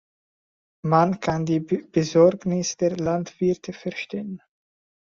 Man kann die Besorgnis der Landwirte verstehen.